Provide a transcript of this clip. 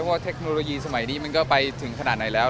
เทคโนโลยีสมัยนี้มันก็ไปถึงขนาดไหนแล้ว